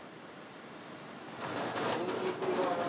こんにちは。